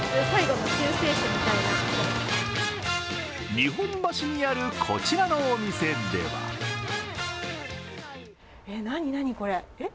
日本橋にある、こちらのお店では何々、これ。